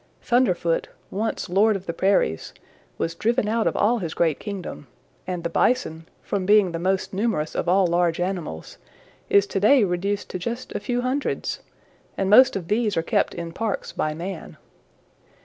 Thunderfoot, once Lord of the Prairies, was driven out of all his great kingdom, and the Bison, from being the most numerous of all large animals, is to day reduced to just a few hundreds, and most of these are kept in parks by man.